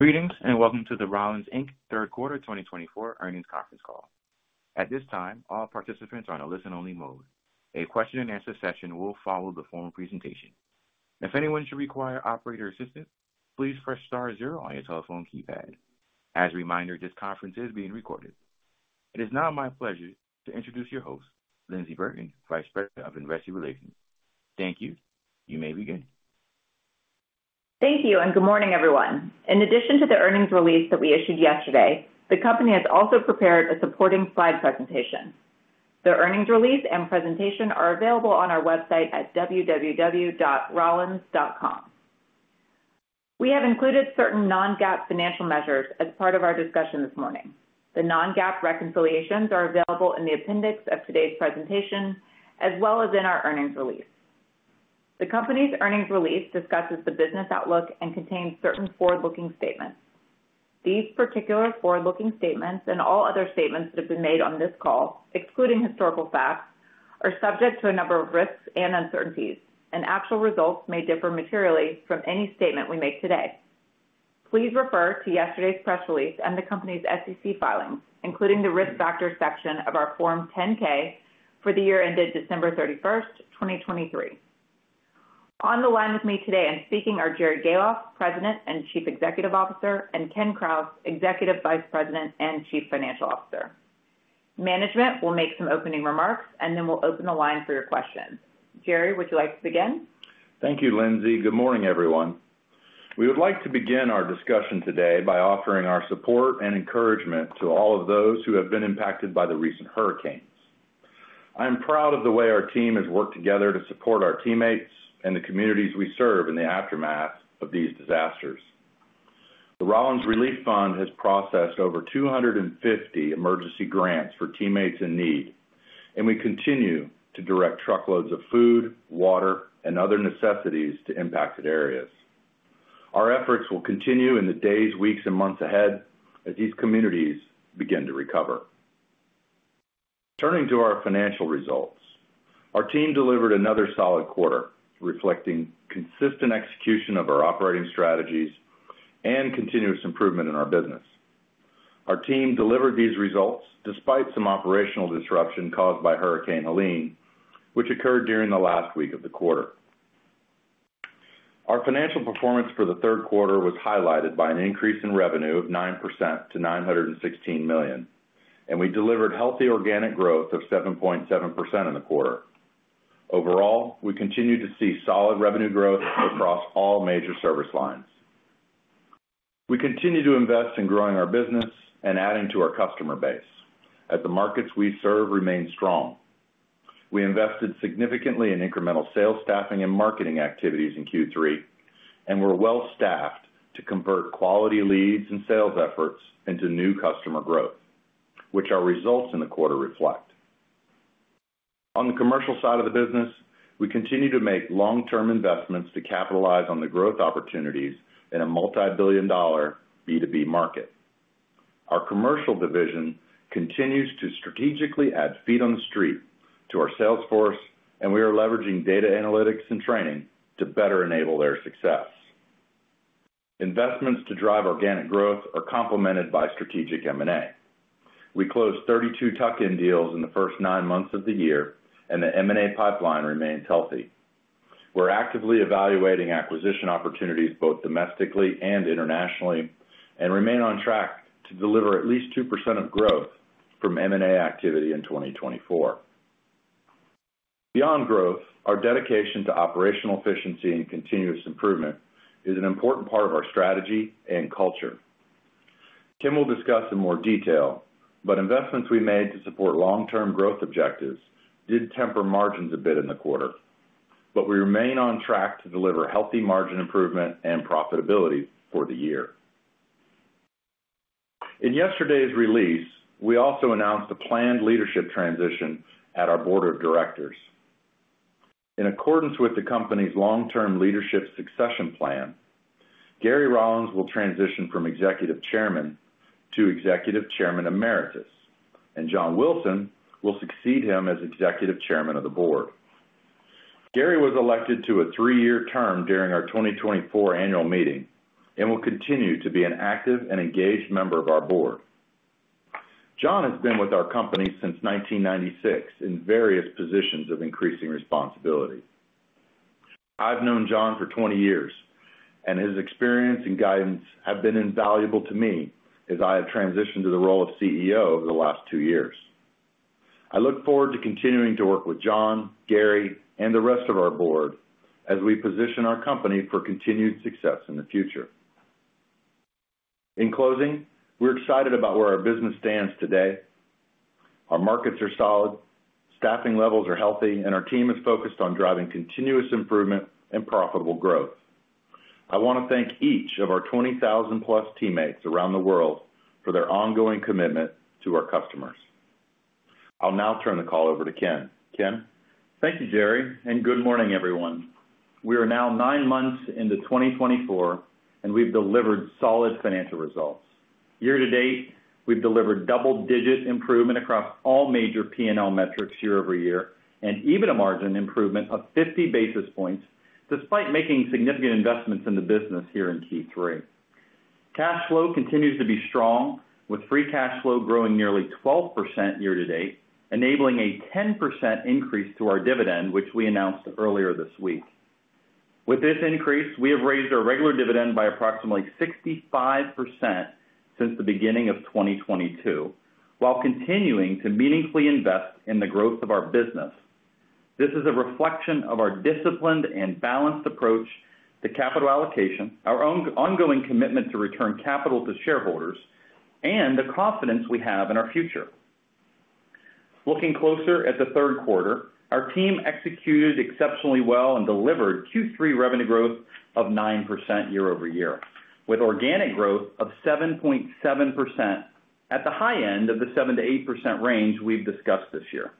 Greetings, and welcome to the Rollins, Inc. third quarter 2024 earnings conference call. At this time, all participants are on a listen-only mode. A question-and-answer session will follow the formal presentation. If anyone should require operator assistance, please press star zero on your telephone keypad. As a reminder, this conference is being recorded. It is now my pleasure to introduce your host, Lyndsey Burton, Vice President of Investor Relations. Thank you. You may begin. Thank you, and good morning, everyone. In addition to the earnings release that we issued yesterday, the company has also prepared a supporting slide presentation. The earnings release and presentation are available on our website at www.rollins.com. We have included certain non-GAAP financial measures as part of our discussion this morning. The non-GAAP reconciliations are available in the appendix of today's presentation, as well as in our earnings release. The company's earnings release discusses the business outlook and contains certain forward-looking statements. These particular forward-looking statements, and all other statements that have been made on this call, excluding historical facts, are subject to a number of risks and uncertainties, and actual results may differ materially from any statement we make today. Please refer to yesterday's press release and the company's SEC filings, including the Risk Factors section of our Form 10-K for the year ended December thirty-first, twenty twenty-three. On the line with me today and speaking are Jerry Gahlhoff, President and Chief Executive Officer, and Ken Krause, Executive Vice President and Chief Financial Officer. Management will make some opening remarks, and then we'll open the line for your questions. Jerry, would you like to begin? Thank you, Lindsay. Good morning, everyone. We would like to begin our discussion today by offering our support and encouragement to all of those who have been impacted by the recent hurricanes. I'm proud of the way our team has worked together to support our teammates and the communities we serve in the aftermath of these disasters. The Rollins Relief Fund has processed over 250 emergency grants for teammates in need, and we continue to direct truckloads of food, water, and other necessities to impacted areas. Our efforts will continue in the days, weeks, and months ahead as these communities begin to recover. Turning to our financial results, our team delivered another solid quarter, reflecting consistent execution of our operating strategies and continuous improvement in our business. Our team delivered these results despite some operational disruption caused by Hurricane Helene, which occurred during the last week of the quarter. Our financial performance for the third quarter was highlighted by an increase in revenue of 9% to $916 million, and we delivered healthy organic growth of 7.7% in the quarter. Overall, we continue to see solid revenue growth across all major service lines. We continue to invest in growing our business and adding to our customer base as the markets we serve remain strong. We invested significantly in incremental sales, staffing, and marketing activities in Q3, and we're well staffed to convert quality leads and sales efforts into new customer growth, which our results in the quarter reflect. On the commercial side of the business, we continue to make long-term investments to capitalize on the growth opportunities in a multibillion-dollar B2B market. Our commercial division continues to strategically add feet on the street to our sales force, and we are leveraging data, analytics, and training to better enable their success. Investments to drive organic growth are complemented by strategic M&A. We closed thirty-two tuck-in deals in the first nine months of the year, and the M&A pipeline remains healthy. We're actively evaluating acquisition opportunities, both domestically and internationally, and remain on track to deliver at least 2% of growth from M&A activity in 2024. Beyond growth, our dedication to operational efficiency and continuous improvement is an important part of our strategy and culture. Ken will discuss in more detail, but investments we made to support long-term growth objectives did temper margins a bit in the quarter, but we remain on track to deliver healthy margin improvement and profitability for the year. In yesterday's release, we also announced a planned leadership transition at our board of directors. In accordance with the company's long-term leadership succession plan, Gary Rollins will transition from Executive Chairman to Executive Chairman Emeritus, and John Wilson will succeed him as Executive Chairman of the Board. Gary was elected to a three-year term during our twenty twenty-four annual meeting and will continue to be an active and engaged member of our board. John has been with our company since nineteen ninety-six in various positions of increasing responsibility. I've known John for twenty years, and his experience and guidance have been invaluable to me as I have transitioned to the role of CEO over the last two years. I look forward to continuing to work with John, Gary, and the rest of our board as we position our company for continued success in the future. In closing, we're excited about where our business stands today. Our markets are solid, staffing levels are healthy, and our team is focused on driving continuous improvement and profitable growth. I want to thank each of our twenty thousand-plus teammates around the world for their ongoing commitment to our customers. I'll now turn the call over to Ken. Ken? Thank you, Jerry, and good morning, everyone. We are now nine months into twenty twenty-four, and we've delivered solid financial results. Year-to-date, we've delivered double-digit improvement across all major P&L metrics year over year, and even a margin improvement of fifty basis points, despite making significant investments in the business here in Q3. Cash flow continues to be strong, with free cash flow growing nearly 12% year-to-date, enabling a 10% increase to our dividend, which we announced earlier this week. With this increase, we have raised our regular dividend by approximately 65% since the beginning of twenty twenty-two, while continuing to meaningfully invest in the growth of our business. This is a reflection of our disciplined and balanced approach to capital allocation, our ongoing commitment to return capital to shareholders, and the confidence we have in our future. Looking closer at the third quarter, our team executed exceptionally well and delivered Q3 revenue growth of 9% year over year, with organic growth of 7.7% at the high end of the 7%-8% range we've discussed this year.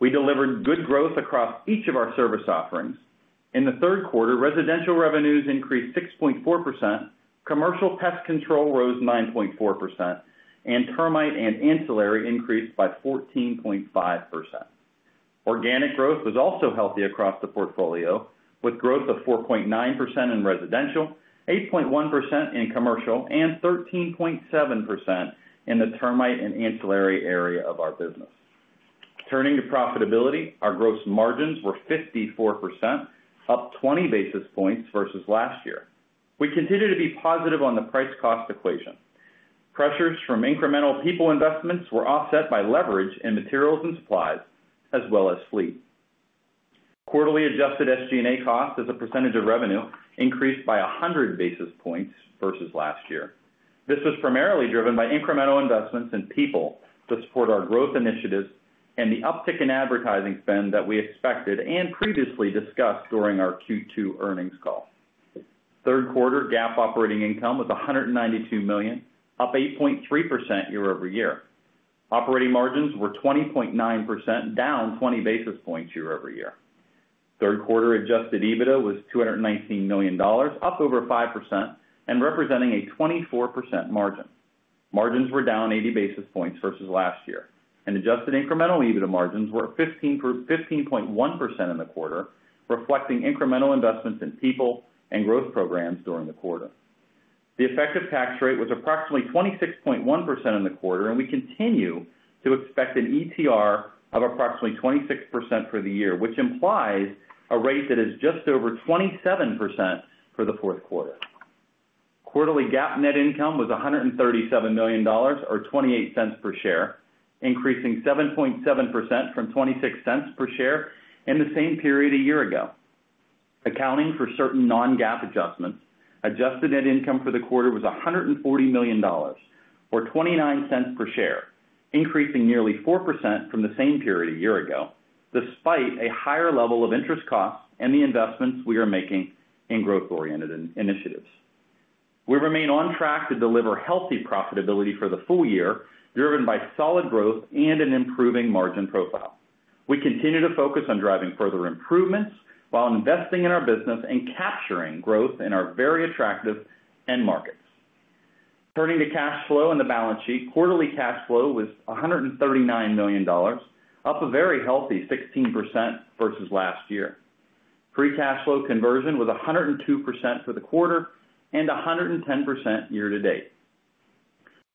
We delivered good growth across each of our service offerings. In the third quarter, residential revenues increased 6.4%, commercial pest control rose 9.4%, and termite and ancillary increased by 14.5%. Organic growth was also healthy across the portfolio, with growth of 4.9% in residential, 8.1% in commercial, and 13.7% in the termite and ancillary area of our business. Turning to profitability, our gross margins were 54%, up 20 basis points versus last year. We continue to be positive on the price cost equation. Pressures from incremental people investments were offset by leverage in materials and supplies, as well as fleet. Quarterly adjusted SG&A costs as a percentage of revenue increased by 100 basis points versus last year. This was primarily driven by incremental investments in people to support our growth initiatives and the uptick in advertising spend that we expected and previously discussed during our Q2 earnings call. Third quarter GAAP operating income was $192 million, up 8.3% year over year. Operating margins were 20.9%, down 20 basis points year over year. Third quarter adjusted EBITDA was $219 million, up over 5% and representing a 24% margin. Margins were down 80 basis points versus last year, and adjusted incremental EBITDA margins were 15.1% in the quarter, reflecting incremental investments in people and growth programs during the quarter. The effective tax rate was approximately 26.1% in the quarter, and we continue to expect an ETR of approximately 26% for the year, which implies a rate that is just over 27% for the fourth quarter. Quarterly GAAP net income was $137 million, or $0.28 per share, increasing 7.7% from $0.26 per share in the same period a year ago. Accounting for certain non-GAAP adjustments, adjusted net income for the quarter was $140 million, or $0.29 per share, increasing nearly 4% from the same period a year ago, despite a higher level of interest costs and the investments we are making in growth-oriented initiatives. We remain on track to deliver healthy profitability for the full year, driven by solid growth and an improving margin profile. We continue to focus on driving further improvements while investing in our business and capturing growth in our very attractive end markets. Turning to cash flow and the balance sheet: quarterly cash flow was $139 million, up a very healthy 16% versus last year. Free cash flow conversion was 102% for the quarter and 110% year-to-date.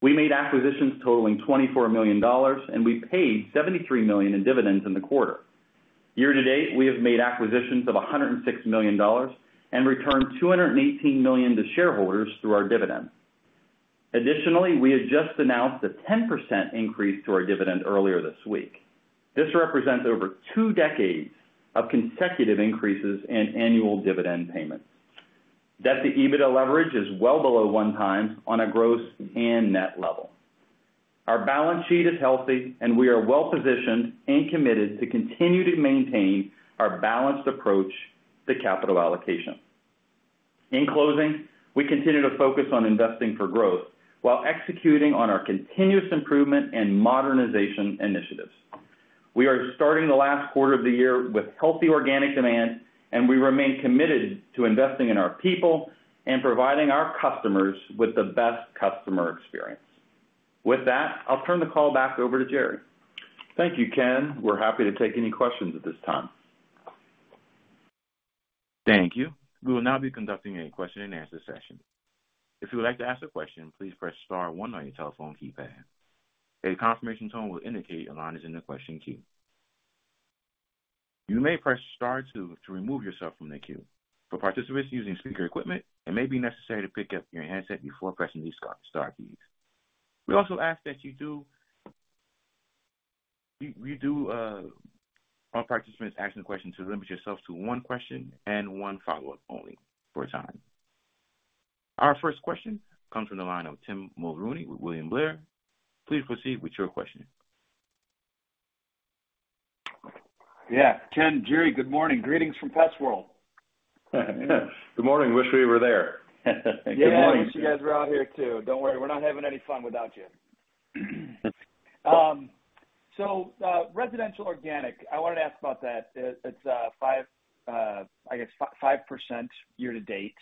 We made acquisitions totaling $24 million, and we paid $73 million in dividends in the quarter. Year-to-date, we have made acquisitions of $106 million and returned $218 million to shareholders through our dividends. Additionally, we had just announced a 10% increase to our dividend earlier this week. This represents over two decades of consecutive increases in annual dividend payments. Debt to EBITDA leverage is well below one times on a gross and net level. Our balance sheet is healthy, and we are well positioned and committed to continue to maintain our balanced approach to capital allocation. In closing, we continue to focus on investing for growth while executing on our continuous improvement and modernization initiatives. We are starting the last quarter of the year with healthy organic demand, and we remain committed to investing in our people and providing our customers with the best customer experience. With that, I'll turn the call back over to Jerry. Thank you, Ken. We're happy to take any questions at this time. Thank you. We will now be conducting a question-and-answer session. If you would like to ask a question, please press star one on your telephone keypad. A confirmation tone will indicate your line is in the question queue. You may press star two to remove yourself from the queue. For participants using speaker equipment, it may be necessary to pick up your handset before pressing these star keys. We also ask that all participants asking questions limit yourselves to one question and one follow-up only for time. Our first question comes from the line of Tim Mulrooney with William Blair. Please proceed with your question. Yeah. Ken, Jerry, good morning. Greetings from Pest World. Good morning. Wish we were there. Good morning. Yeah, I wish you guys were out here, too. Don't worry, we're not having any fun without you. So, residential organic, I wanted to ask about that. It's five percent year to date,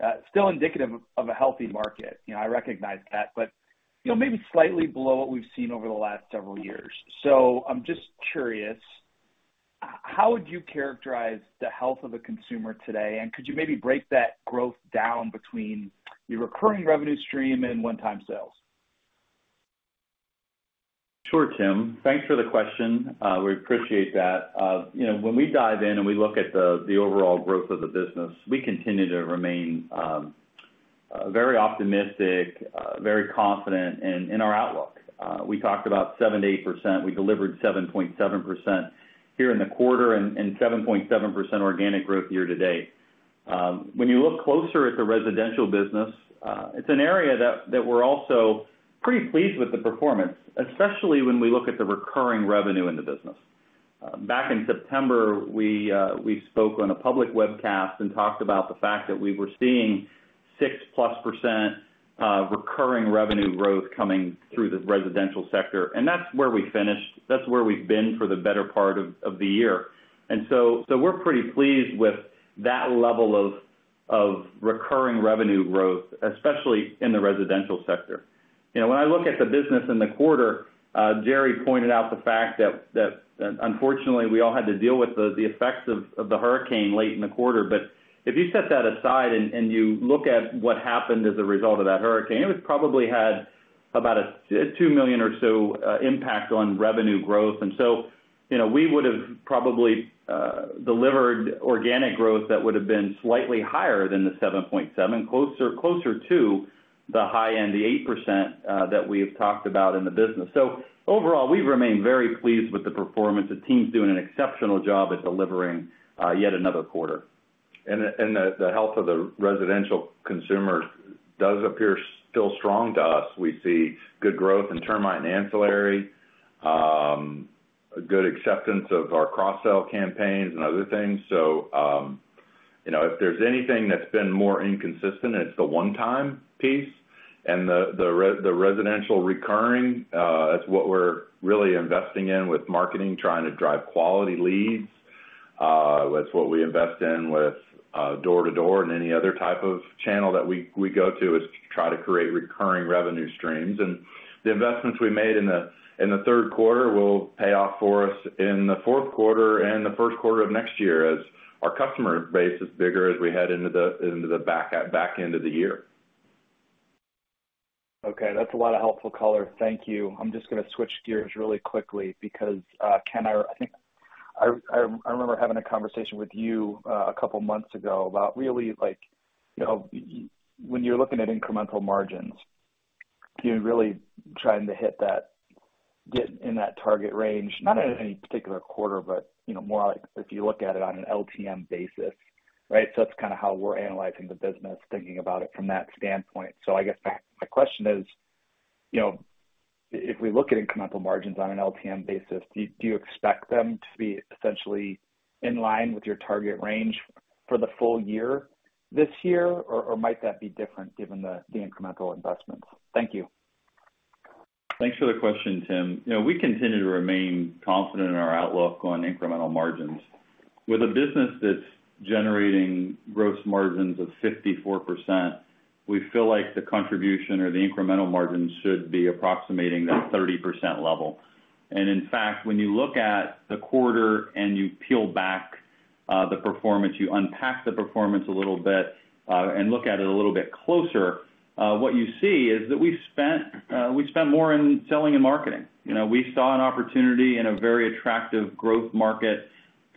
I guess, still indicative of a healthy market. You know, I recognize that, but, you know, maybe slightly below what we've seen over the last several years. So I'm just curious, how would you characterize the health of the consumer today? And could you maybe break that growth down between your recurring revenue stream and one-time sales? Sure, Tim. Thanks for the question. We appreciate that. You know, when we dive in, and we look at the overall growth of the business, we continue to remain very optimistic, very confident in our outlook. We talked about 7-8%. We delivered 7.7% here in the quarter, and 7.7% organic growth year to date. When you look closer at the residential business, it's an area that we're also pretty pleased with the performance, especially when we look at the recurring revenue in the business. Back in September, we spoke on a public webcast and talked about the fact that we were seeing 6+% recurring revenue growth coming through the residential sector, and that's where we finished. That's where we've been for the better part of the year. And so we're pretty pleased with that level of recurring revenue growth, especially in the residential sector. You know, when I look at the business in the quarter, Jerry pointed out the fact that unfortunately we all had to deal with the effects of the hurricane late in the quarter. But if you set that aside, and you look at what happened as a result of that hurricane, it probably had about a $2 million or so impact on revenue growth. And so you know we would've probably delivered organic growth that would've been slightly higher than the 7.7%, closer to the high end, the 8%, that we've talked about in the business. So overall we remain very pleased with the performance. The team's doing an exceptional job at delivering yet another quarter. The health of the residential consumer does appear still strong to us. We see good growth in termite and ancillary, a good acceptance of our cross-sell campaigns and other things. So, you know, if there's anything that's been more inconsistent, it's the one-time piece and the residential recurring, that's what we're really investing in with marketing, trying to drive quality leads. That's what we invest in with door-to-door and any other type of channel that we go to, is try to create recurring revenue streams. And the investments we made in the third quarter will pay off for us in the fourth quarter and the first quarter of next year, as our customer base is bigger as we head into the back end of the year. Okay, that's a lot of helpful color. Thank you. I'm just gonna switch gears really quickly because, Ken, I think I remember having a conversation with you, a couple months ago about really, like, you know, when you're looking at incremental margins, you're really trying to hit that, get in that target range, not in any particular quarter, but, you know, more like if you look at it on an LTM basis, right? So that's kind of how we're analyzing the business, thinking about it from that standpoint. So I guess my question is, you know, if we look at incremental margins on an LTM basis, do you expect them to be essentially in line with your target range for the full year this year, or might that be different given the incremental investments? Thank you. Thanks for the question, Tim. You know, we continue to remain confident in our outlook on incremental margins. With a business that's generating gross margins of 54%, we feel like the contribution or the incremental margins should be approximating that 30% level. And in fact, when you look at the quarter and you peel back the performance, you unpack the performance a little bit and look at it a little bit closer, what you see is that we've spent more in selling and marketing. You know, we saw an opportunity in a very attractive growth market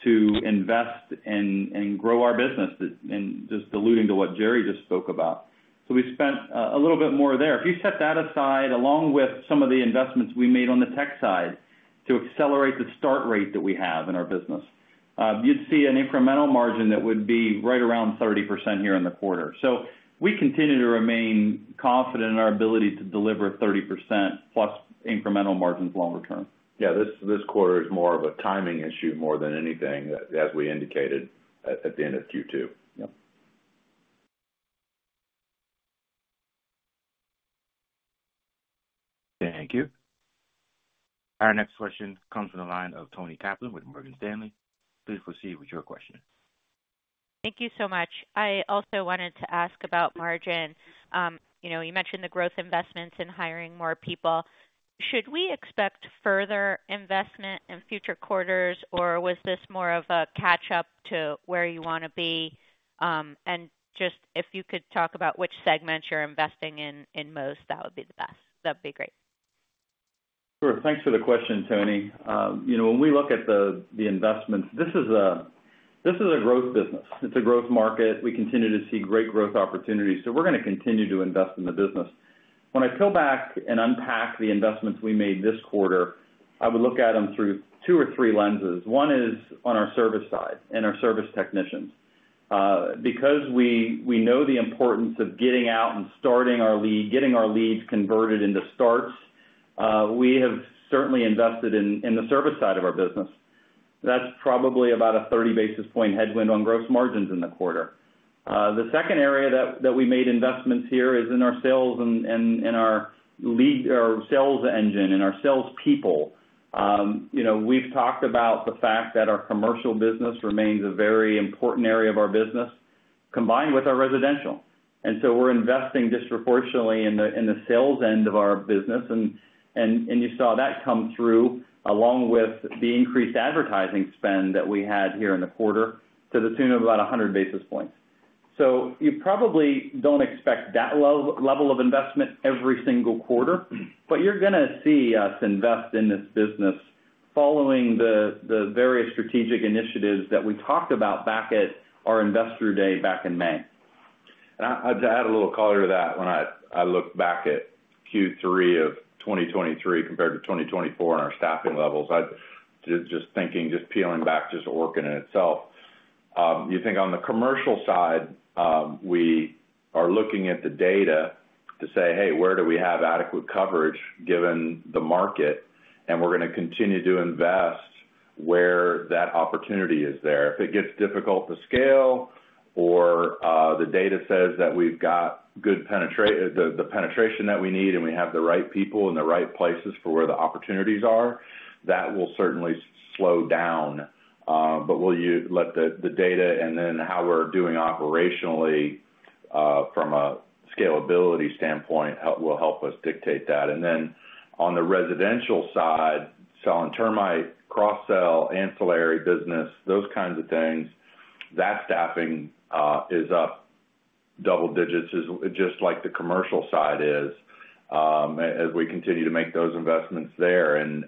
to invest and grow our business, and just alluding to what Jerry just spoke about. So we spent a little bit more there. If you set that aside, along with some of the investments we made on the tech side to accelerate the start rate that we have in our business, you'd see an incremental margin that would be right around 30% here in the quarter. So we continue to remain confident in our ability to deliver 30% plus incremental margins longer term. Yeah, this quarter is more of a timing issue more than anything, as we indicated at the end of Q2. Yep. Thank you. Our next question comes from the line of Toni Kaplan with Morgan Stanley. Please proceed with your question. Thank you so much. I also wanted to ask about margin. You know, you mentioned the growth investments in hiring more people. Should we expect further investment in future quarters, or was this more of a catch up to where you wanna be? And just if you could talk about which segments you're investing in, in most, that would be the best. That'd be great. Sure. Thanks for the question, Tony. You know, when we look at the investments, this is a growth business. It's a growth market. We continue to see great growth opportunities, so we're gonna continue to invest in the business. When I peel back and unpack the investments we made this quarter, I would look at them through two or three lenses. One is on our service side and our service technicians. Because we know the importance of getting out and starting our lead, getting our leads converted into starts, we have certainly invested in the service side of our business. That's probably about a 30 basis point headwind on gross margins in the quarter. The second area that we made investments here is in our sales and in our sales engine and our salespeople. You know, we've talked about the fact that our commercial business remains a very important area of our business, combined with our residential. And so we're investing disproportionately in the sales end of our business, and you saw that come through, along with the increased advertising spend that we had here in the quarter to the tune of about one hundred basis points. So you probably don't expect that level of investment every single quarter, but you're gonna see us invest in this business following the various strategic initiatives that we talked about back at our Investor Day back in May. I'd add a little color to that. When I look back at Q3 of 2023 compared to 2024 on our staffing levels, just thinking, just peeling back, just Orkin in itself, you think on the commercial side, we are looking at the data to say, "Hey, where do we have adequate coverage, given the market?" And we're gonna continue to invest where that opportunity is there. If it gets difficult to scale or the data says that we've got good penetration, the penetration that we need, and we have the right people in the right places for where the opportunities are, that will certainly slow down. But we'll let the data and then how we're doing operationally from a scalability standpoint help us dictate that. And then on the residential side, selling termite, cross-sell, ancillary business, those kinds of things, that staffing is up double digits, just like the commercial side is, as we continue to make those investments there. And,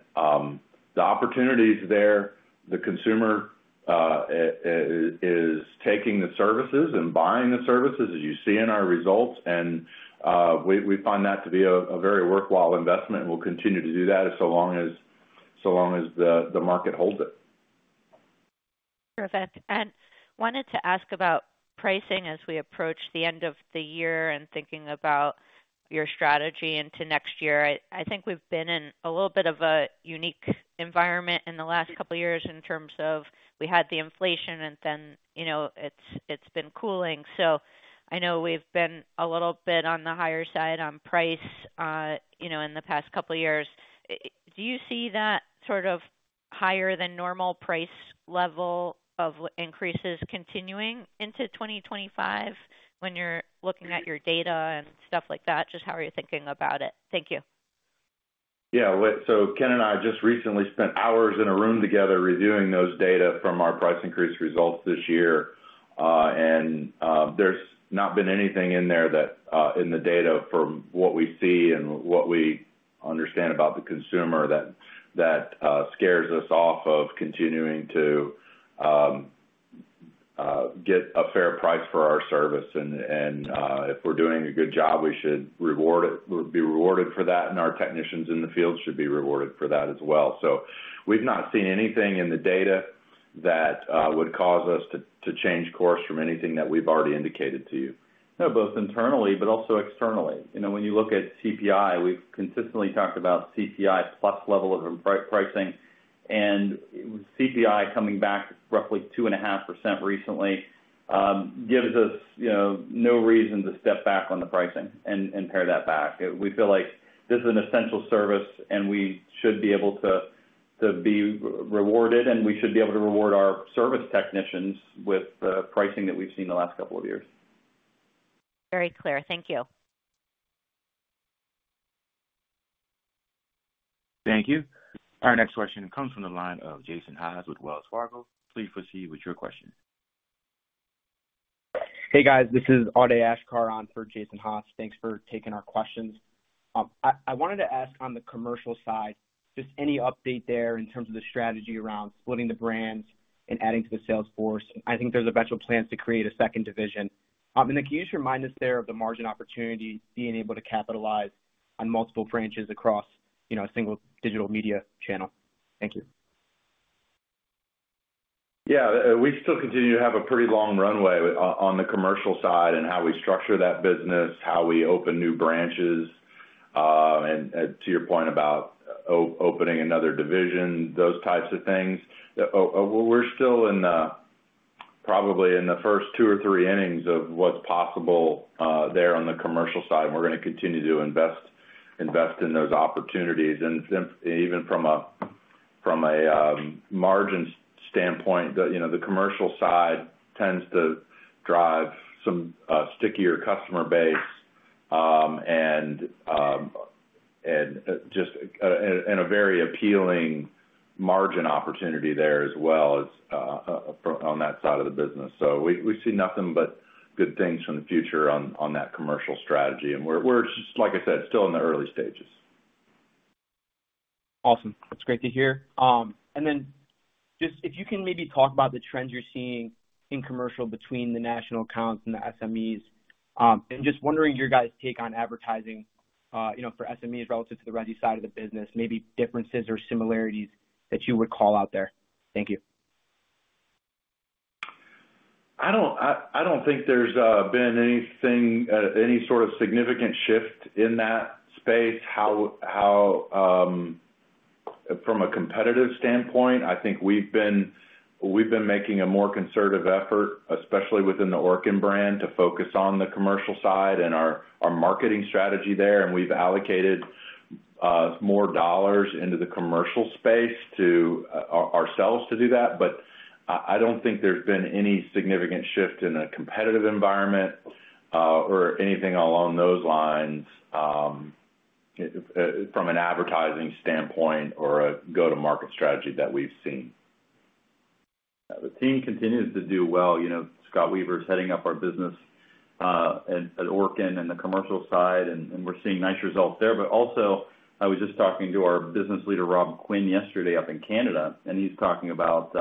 the opportunity is there. The consumer is taking the services and buying the services, as you see in our results, and, we find that to be a very worthwhile investment, and we'll continue to do that as so long as the market holds it. Perfect. And wanted to ask about pricing as we approach the end of the year and thinking about your strategy into next year. I think we've been in a little bit of a unique environment in the last couple of years in terms of we had the inflation and then, you know, it's been cooling. So I know we've been a little bit on the higher side on price, you know, in the past couple of years. Do you see that sort of higher than normal price level of increases continuing into twenty twenty-five when you're looking at your data and stuff like that? Just how are you thinking about it? Thank you. Yeah, so Ken and I just recently spent hours in a room together reviewing those data from our price increase results this year. And, there's not been anything in there that, in the data from what we see and what we understand about the consumer, that scares us off of continuing to get a fair price for our service. And, if we're doing a good job, we should reward it. We would be rewarded for that, and our technicians in the field should be rewarded for that as well. So we've not seen anything in the data that would cause us to change course from anything that we've already indicated to you. Not, both internally, but also externally. You know, when you look at CPI, we've consistently talked about CPI plus level of pricing. And CPI coming back roughly 2.5% recently gives us, you know, no reason to step back on the pricing and pare that back. We feel like this is an essential service, and we should be able to be rewarded, and we should be able to reward our service technicians with the pricing that we've seen the last couple of years. Very clear. Thank you. Thank you. Our next question comes from the line of Jason Haas with Wells Fargo. Please proceed with your question. Hey, guys, this is Adey Ashkar on for Jason Haas. Thanks for taking our questions. I wanted to ask on the commercial side, just any update there in terms of the strategy around splitting the brands and adding to the sales force? I think there's eventual plans to create a second division. And can you just remind us there of the margin opportunity being able to capitalize on multiple branches across, you know, a single digital media channel? Thank you. Yeah, we still continue to have a pretty long runway on the commercial side and how we structure that business, how we open new branches, and to your point about opening another division, those types of things. We're still in, probably in the first two or three innings of what's possible, there on the commercial side, and we're gonna continue to invest in those opportunities. And even from a margin standpoint, you know, the commercial side tends to drive some stickier customer base, and a very appealing margin opportunity there as well as on that side of the business. So we see nothing but good things from the future on that commercial strategy. And we're just like I said, still in the early stages. Awesome. That's great to hear. And then just if you can maybe talk about the trends you're seeing in commercial between the national accounts and the SMEs. And just wondering your guys' take on advertising, you know, for SMEs relative to the resi side of the business, maybe differences or similarities that you would call out there. Thank you I don't think there's been anything any sort of significant shift in that space. From a competitive standpoint, I think we've been making a more concerted effort, especially within the Orkin brand, to focus on the commercial side and our marketing strategy there. And we've allocated more dollars into the commercial space to allow ourselves to do that. But I don't think there's been any significant shift in the competitive environment or anything along those lines from an advertising standpoint or a go-to-market strategy that we've seen. The team continues to do well, you know, Scott Weaver is heading up our business at Orkin and the commercial side, and we're seeing nice results there. But also, I was just talking to our business leader, Rob Quinn, yesterday up in Canada, and he's talking about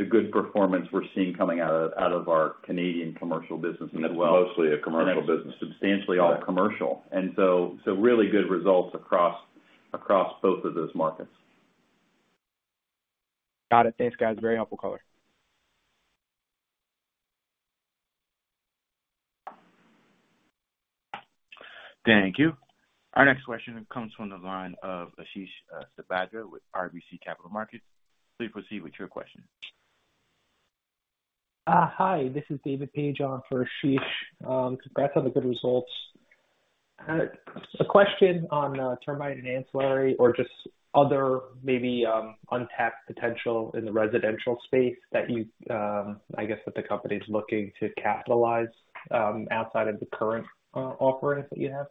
the good performance we're seeing coming out of our Canadian commercial business as well. It's mostly a commercial business. Substantially all commercial. And so really good results across both of those markets. Got it. Thanks, guys. Very helpful call. Thank you. Our next question comes from the line of Ashish Sabadra with RBC Capital Markets. Please proceed with your question. Hi, this is David Page on for Ashish. Congrats on the good results. A question on termite and ancillary, or just other maybe untapped potential in the residential space that you, I guess, that the company is looking to capitalize outside of the current offerings that you have?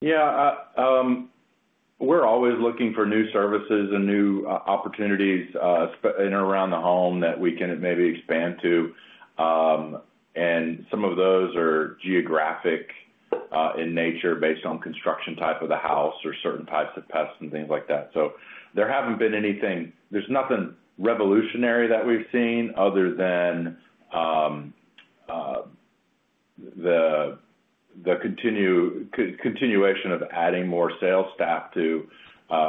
Yeah, we're always looking for new services and new opportunities in around the home that we can maybe expand to, and some of those are geographic in nature based on construction type of the house or certain types of pests and things like that. So there haven't been anything. There's nothing revolutionary that we've seen other than the continuation of adding more sales staff to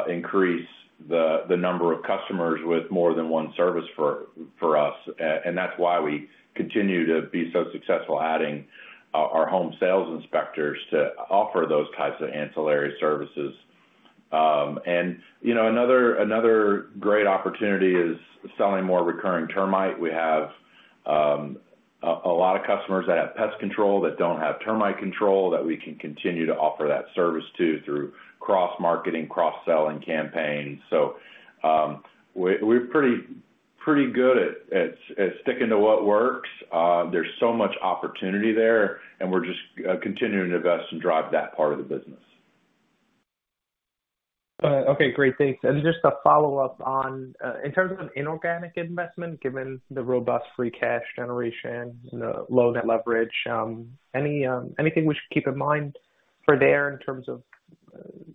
increase the number of customers with more than one service for us. And that's why we continue to be so successful, adding our home sales inspectors to offer those types of ancillary services. And, you know, another great opportunity is selling more recurring termite. We have a lot of customers that have pest control that don't have termite control, that we can continue to offer that service to through cross-marketing, cross-selling campaigns. So, we're pretty, pretty good at sticking to what works. There's so much opportunity there, and we're just continuing to invest and drive that part of the business. Okay, great. Thanks. And just a follow-up on... In terms of inorganic investment, given the robust free cash generation and the low net leverage, anything we should keep in mind for there in terms of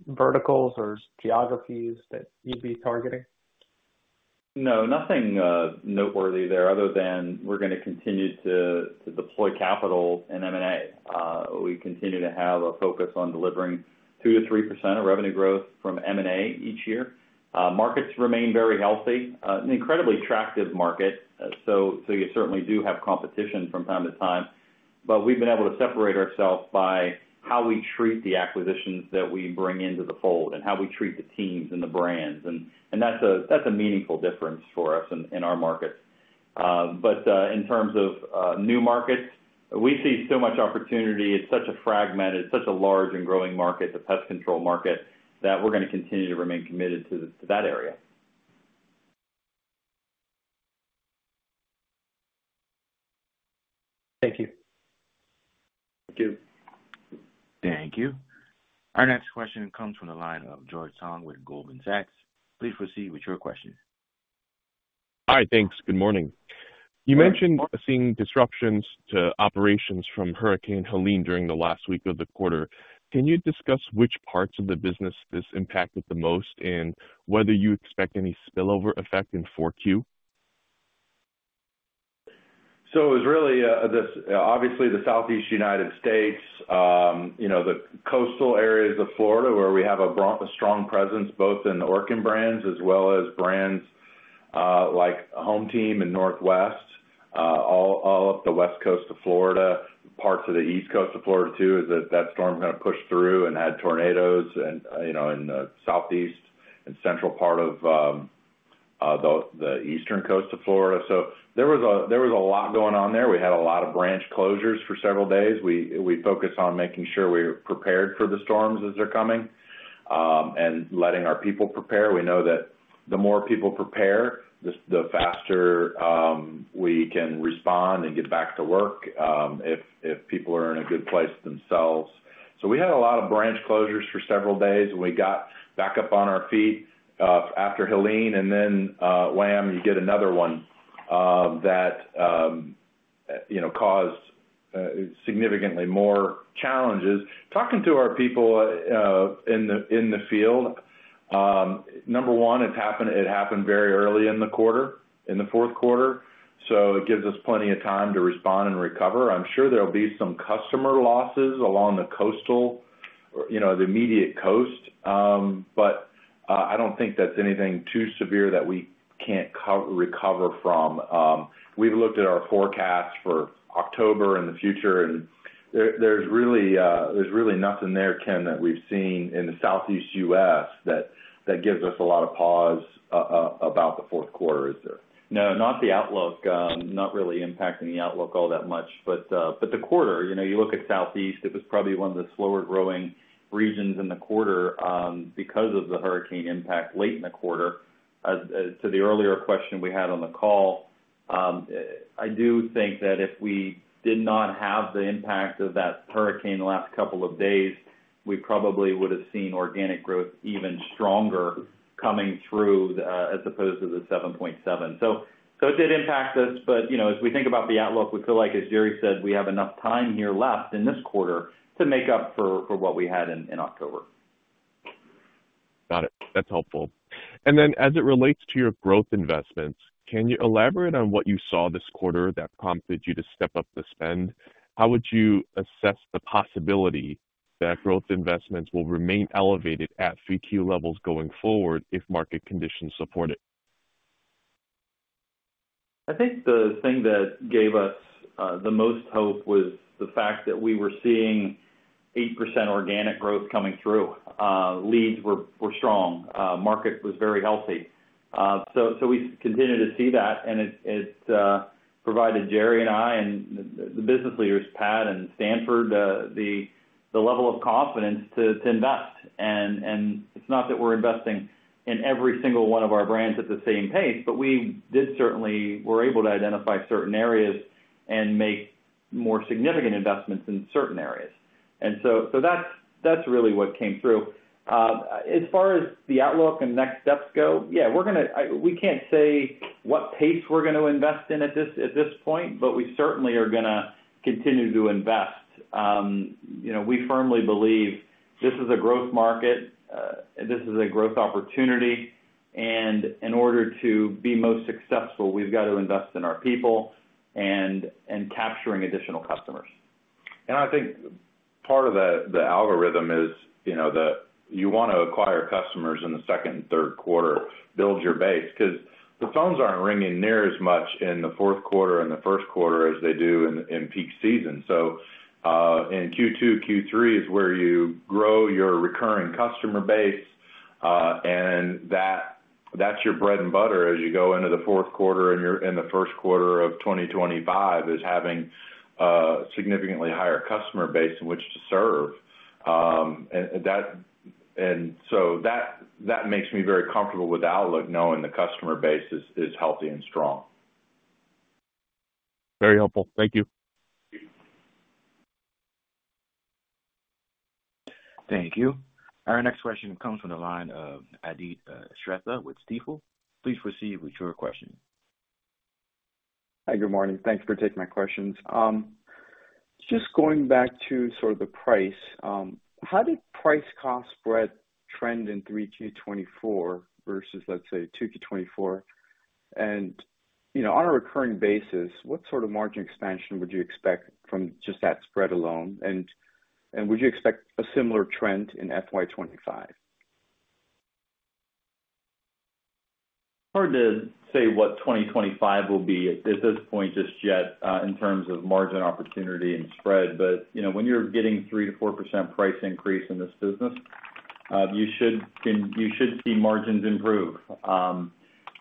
verticals or geographies that you'd be targeting? No, nothing noteworthy there, other than we're gonna continue to deploy capital in M&A. We continue to have a focus on delivering 2%-3% of revenue growth from M&A each year. Markets remain very healthy, an incredibly attractive market, so you certainly do have competition from time to time, but we've been able to separate ourselves by how we treat the acquisitions that we bring into the fold and how we treat the teams and the brands, and that's a meaningful difference for us in our markets. But in terms of new markets, we see so much opportunity. It's such a fragmented, such a large and growing market, the pest control market, that we're gonna continue to remain committed to that area. Thank you. Thank you. Thank you. Our next question comes from the line of George Tong with Goldman Sachs. Please proceed with your question. Hi, thanks. Good morning. You mentioned seeing disruptions to operations from Hurricane Helene during the last week of the quarter. Can you discuss which parts of the business this impacted the most and whether you expect any spillover effect in 4Q? So it was really, this, obviously, the Southeast United States, you know, the coastal areas of Florida, where we have a strong presence, both in Orkin brands as well as brands, like HomeTeam and Northwest, all up the West Coast of Florida, parts of the East Coast of Florida, too, as that storm kind of pushed through and had tornadoes and, you know, in the southeast and central part of, the eastern coast of Florida. So there was a lot going on there. We had a lot of branch closures for several days. We focus on making sure we're prepared for the storms as they're coming, and letting our people prepare. We know that the more people prepare, the faster we can respond and get back to work, if people are in a good place themselves. So we had a lot of branch closures for several days, and we got back up on our feet after Helene, and then wham, you get another one that you know caused significantly more challenges. Talking to our people in the field, number one, it happened very early in the quarter, in the fourth quarter. So it gives us plenty of time to respond and recover. I'm sure there'll be some customer losses along the coast, you know, the immediate coast, but I don't think that's anything too severe that we can't recover from. We've looked at our forecast for October and the future, and there's really nothing there, Ken, that we've seen in the Southeast US that gives us a lot of pause about the fourth quarter, is there? No, not the outlook, not really impacting the outlook all that much. But the quarter, you know, you look at Southeast, it was probably one of the slower growing regions in the quarter, because of the hurricane impact late in the quarter. As to the earlier question we had on the call, I do think that if we did not have the impact of that hurricane the last couple of days, we probably would have seen organic growth even stronger coming through the, as opposed to the 7.7%. So it did impact us, but, you know, as we think about the outlook, we feel like, as Jerry said, we have enough time here left in this quarter to make up for what we had in October. Got it. That's helpful. And then, as it relates to your growth investments, can you elaborate on what you saw this quarter that prompted you to step up the spend? How would you assess the possibility that growth investments will remain elevated at 3Q levels going forward if market conditions support it? I think the thing that gave us the most hope was the fact that we were seeing 8% organic growth coming through. Leads were strong, market was very healthy. So we continue to see that, and it's provided Jerry and I, and the business leaders, Pat and Stanford, the level of confidence to invest. And it's not that we're investing in every single one of our brands at the same pace, but we did certainly were able to identify certain areas and make more significant investments in certain areas. And so that's really what came through. As far as the outlook and next steps go, yeah, we're gonna, I, we can't say what pace we're going to invest in at this point, but we certainly are gonna continue to invest. You know, we firmly believe this is a growth market, this is a growth opportunity, and in order to be most successful, we've got to invest in our people and capturing additional customers. And I think part of the algorithm is, you know, that you want to acquire customers in the second and third quarter, build your base, 'cause the phones aren't ringing near as much in the fourth quarter and the first quarter as they do in peak season. So, in Q2, Q3 is where you grow your recurring customer base, and that, that's your bread and butter as you go into the fourth quarter and in the first quarter of twenty twenty-five, is having a significantly higher customer base in which to serve. And so that, that makes me very comfortable with the outlook, knowing the customer base is healthy and strong. Very helpful. Thank you. Thank you. Our next question comes from the line of Adit Shrestha with Stifel. Please proceed with your question. Hi, good morning. Thanks for taking my questions. Just going back to sort of the price, how did price-cost spread trend in 3Q 2024 versus, let's say, 2Q 2024? And, you know, on a recurring basis, what sort of margin expansion would you expect from just that spread alone? And would you expect a similar trend in FY 2025? Hard to say what 2025 will be at this point just yet, in terms of margin opportunity and spread, but you know, when you're getting 3%-4% price increase in this business, you should see margins improve.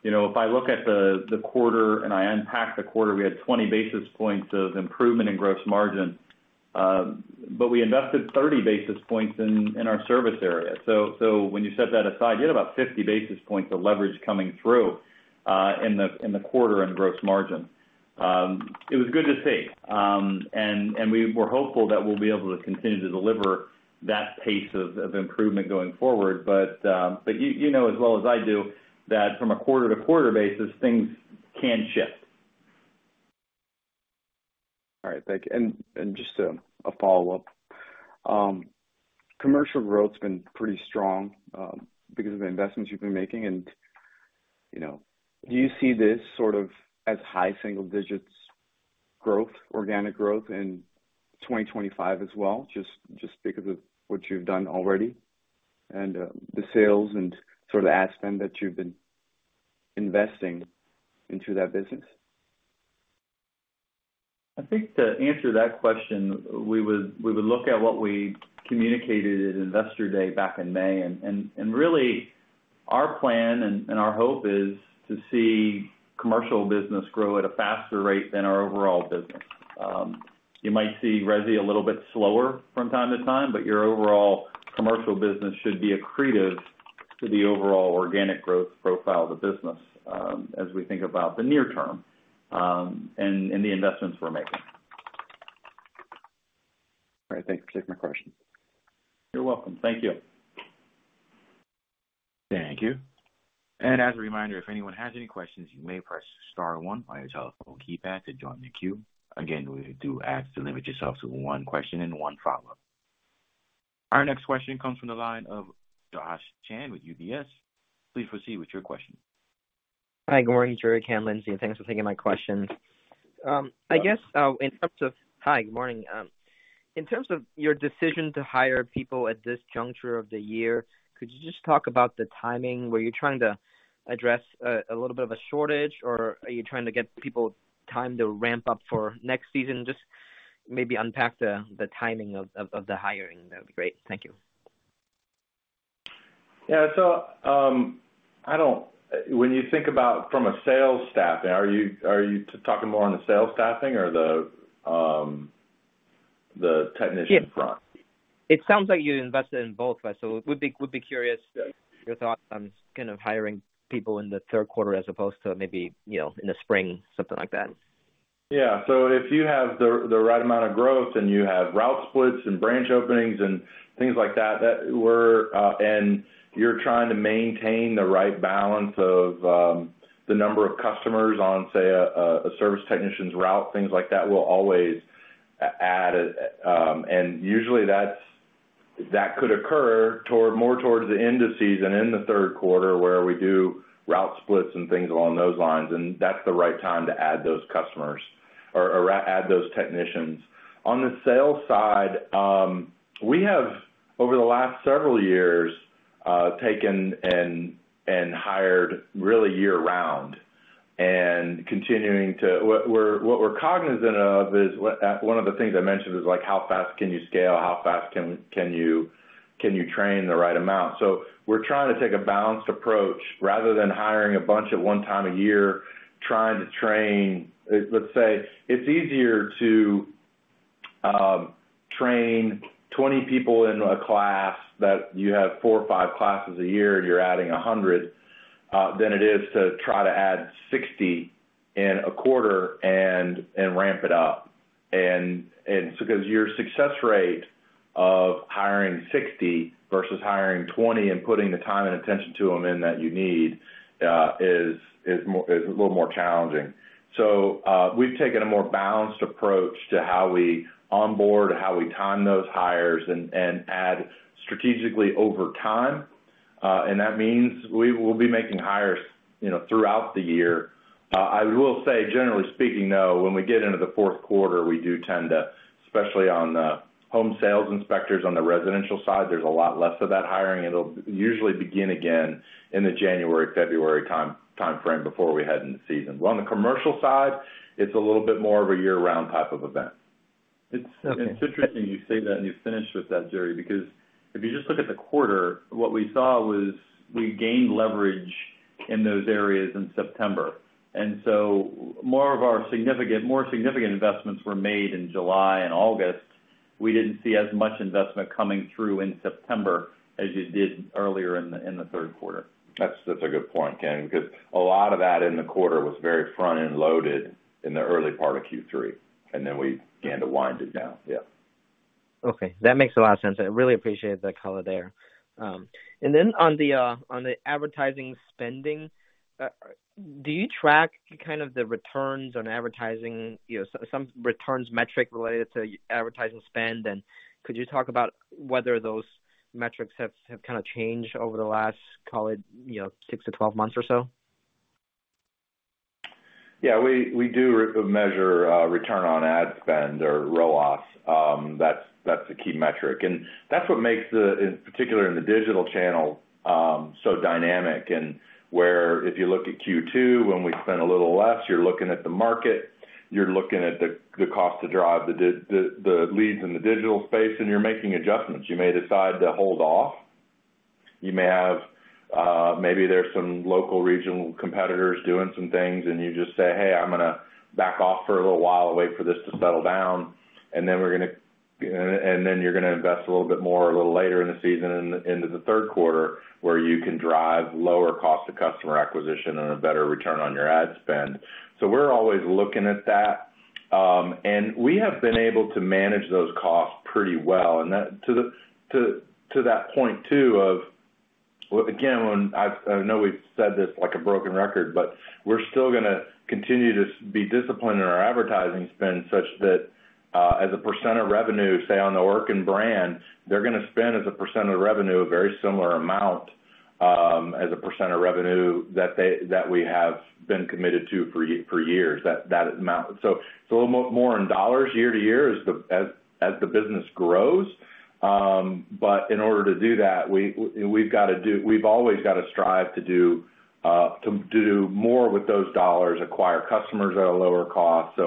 You know, if I look at the quarter and I unpack the quarter, we had 20 basis points of improvement in gross margin, but we invested 30 basis points in our service area. So when you set that aside, you had about 50 basis points of leverage coming through in the quarter in gross margin. It was good to see, and we were hopeful that we'll be able to continue to deliver that pace of improvement going forward. But you know as well as I do that from a quarter-to-quarter basis, things can shift. All right, thank you, and just a follow-up. Commercial growth's been pretty strong because of the investments you've been making and, you know, do you see this sort of as high single digits growth, organic growth in twenty twenty-five as well, just because of what you've done already, and the sales and sort of the ad spend that you've been investing into that business? I think to answer that question, we would look at what we communicated at Investor Day back in May, and really, our plan and our hope is to see commercial business grow at a faster rate than our overall business. You might see resi a little bit slower from time to time, but your overall commercial business should be accretive to the overall organic growth profile of the business, as we think about the near term, and the investments we're making. All right. Thank you. Take my questions. You're welcome. Thank you. Thank you. And as a reminder, if anyone has any questions, you may press star one on your telephone keypad to join the queue. Again, we do ask to limit yourself to one question and one follow-up. Our next question comes from the line of Josh Chan with UBS. Please proceed with your question. Hi, good morning, Jerry, Ken, Lindsay, and thanks for taking my questions. I guess in terms of your decision to hire people at this juncture of the year, could you just talk about the timing? Were you trying to address a little bit of a shortage, or are you trying to get people time to ramp up for next season? Just maybe unpack the timing of the hiring. That would be great. Thank you. Yeah. So, when you think about from a sales staffing, are you talking more on the sales staffing or the technician front? Yeah. It sounds like you invested in both, right? So would be, would be curious- Yeah Your thoughts on kind of hiring people in the third quarter as opposed to maybe, you know, in the spring, something like that? Yeah. So if you have the right amount of growth and you have route splits and branch openings and things like that that we're. And you're trying to maintain the right balance of the number of customers on, say, a service technician's route, things like that. We'll always add, and usually that's. That could occur toward, more towards the end of season, in the third quarter, where we do route splits and things along those lines, and that's the right time to add those customers or add those technicians. On the sales side, we have, over the last several years, taken and hired really year-round and continuing to what we're cognizant of is one of the things I mentioned is, like, how fast can you scale? How fast can you train the right amount? We're trying to take a balanced approach, rather than hiring a bunch at one time a year, trying to train. Let's say, it's easier to train 20 people in a class, that you have 4 or 5 classes a year, and you're adding 100, than it is to try to add 60 in a quarter and ramp it up. Because your success rate of hiring 60 versus hiring 20 and putting the time and attention to them in that you need is a little more challenging. We've taken a more balanced approach to how we onboard, how we time those hires, and add strategically over time, and that means we will be making hires, you know, throughout the year. I will say, generally speaking, though, when we get into the fourth quarter, we do tend to, especially on the home sales inspectors, on the residential side, there's a lot less of that hiring. It'll usually begin again in the January, February time, timeframe before we head into season. But on the commercial side, it's a little bit more of a year-round type of event. It's interesting you say that, and you finished with that, Jerry, because if you just look at the quarter, what we saw was we gained leverage in those areas in September. And so more of our significant investments were made in July and August. We didn't see as much investment coming through in September as you did earlier in the third quarter. That's a good point, Ken, because a lot of that in the quarter was very front-end loaded in the early part of Q3, and then we began to wind it down. Yeah. Okay, that makes a lot of sense. I really appreciate that color there. And then on the advertising spending, do you track kind of the returns on advertising, you know, some returns metric related to advertising spend? And could you talk about whether those metrics have kind of changed over the last, call it, you know, six to twelve months or so? Yeah, we do measure return on ad spend or ROAS. That's the key metric, and that's what makes the, in particular in the digital channel, so dynamic and where if you look at Q2, when we spent a little less, you're looking at the market, you're looking at the cost to drive the leads in the digital space, and you're making adjustments. You may decide to hold off. You may have... Maybe there's some local regional competitors doing some things, and you just say, "Hey, I'm gonna back off for a little while and wait for this to settle down." And then we're gonna, and then you're gonna invest a little bit more a little later in the season, into the third quarter, where you can drive lower cost to customer acquisition and a better return on your ad spend. So we're always looking at that, and we have been able to manage those costs pretty well. And that, to that point, too, again, when I've, I know we've said this like a broken record, but we're still gonna continue to be disciplined in our advertising spend, such that, as a percent of revenue, say, on the Orkin brand, they're gonna spend, as a percent of revenue, a very similar amount, as a percent of revenue that they, that we have been committed to for years, that amount. So more in dollars year to year as the business grows. But in order to do that, we've got to, we've always got to strive to do more with those dollars, acquire customers at a lower cost.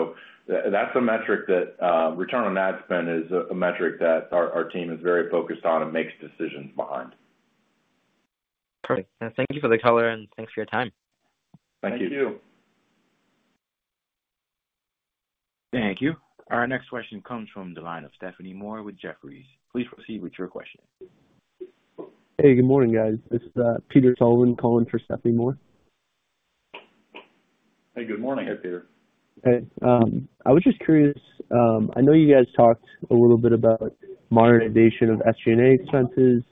That's a metric that return on ad spend is a metric that our team is very focused on and makes decisions behind. Perfect. Thank you for the color, and thanks for your time. Thank you. Thank you. Thank you. Our next question comes from the line of Stephanie Moore with Jefferies. Please proceed with your question. Hey, good morning, guys. This is Peter Sullivan calling for Stephanie Moore. Hey, good morning, HeyPeter. Hey, I was just curious. I know you guys talked a little bit about modernization of SG&A expenses.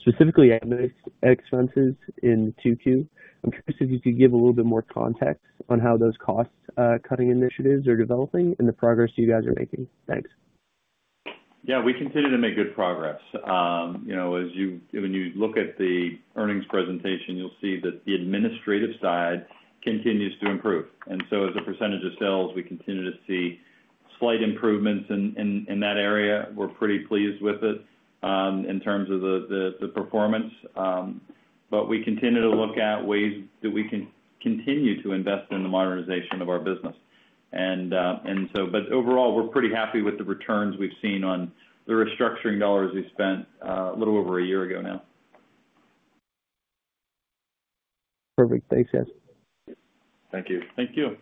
Specifically, admin expenses in 2Q. I'm curious if you could give a little bit more context on how those cost cutting initiatives are developing and the progress you guys are making? Thanks. Yeah, we continue to make good progress. You know, as you, when you look at the earnings presentation, you'll see that the administrative side continues to improve. And so as a percentage of sales, we continue to see slight improvements in that area. We're pretty pleased with it, in terms of the performance. But we continue to look at ways that we can continue to invest in the modernization of our business. And, and so but overall, we're pretty happy with the returns we've seen on the restructuring dollars we spent, a little over a year ago now. Perfect. Thanks, guys. Thank you. Thank you.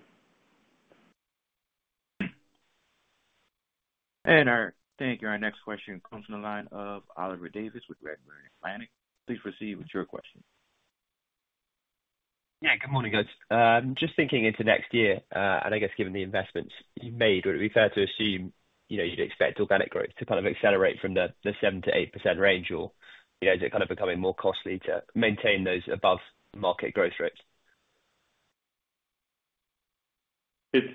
Thank you. Our next question comes from the line of Oliver Davies with Redburn Atlantic. Please proceed with your question. Yeah, good morning, guys. Just thinking into next year, and I guess given the investments you made, would it be fair to assume, you know, you'd expect organic growth to kind of accelerate from the 7%-8% range? Or, you know, is it kind of becoming more costly to maintain those above-market growth rates? I'm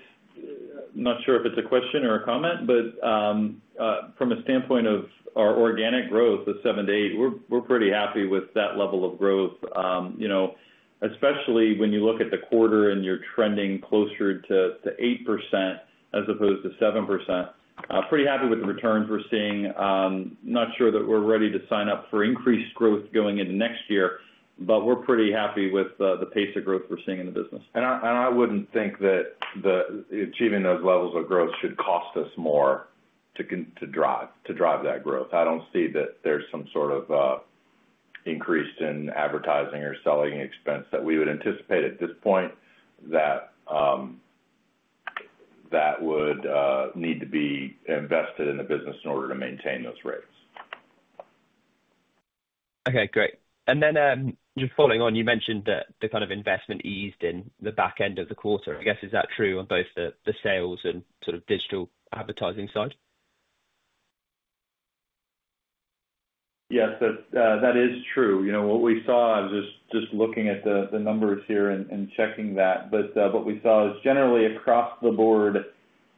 not sure if it's a question or a comment, but from a standpoint of our organic growth of 7%-8%, we're pretty happy with that level of growth. You know, especially when you look at the quarter and you're trending closer to 8% as opposed to 7%. Pretty happy with the returns we're seeing. Not sure that we're ready to sign up for increased growth going into next year, but we're pretty happy with the pace of growth we're seeing in the business. And I wouldn't think that the achieving those levels of growth should cost us more to drive that growth. I don't see that there's some sort of increase in advertising or selling expense that we would anticipate at this point that would need to be invested in the business in order to maintain those rates. Okay, great. And then, just following on, you mentioned that the kind of investment eased in the back end of the quarter. I guess, is that true on both the sales and sort of digital advertising side? Yes, that is true. You know, what we saw, just looking at the numbers here and checking that, but what we saw is generally across the board,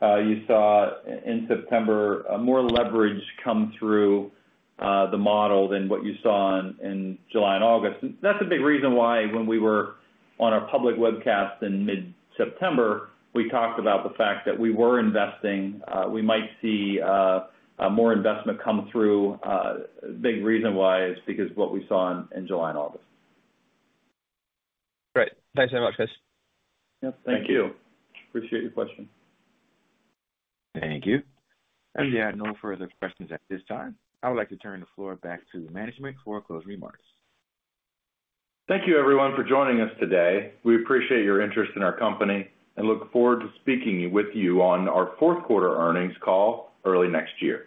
you saw in September, a more leverage come through the model than what you saw in July and August. That's a big reason why when we were on our public webcast in mid-September, we talked about the fact that we were investing, we might see a more investment come through. Big reason why is because of what we saw in July and August. Great. Thanks very much, guys. Yep. Thank you. Appreciate your question. Thank you. And we have no further questions at this time. I would like to turn the floor back to management for closing remarks. Thank you, everyone, for joining us today. We appreciate your interest in our company and look forward to speaking with you on our fourth quarter earnings call early next year.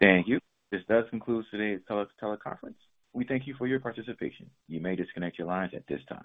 Thank you. This does conclude today's teleconference. We thank you for your participation. You may disconnect your lines at this time.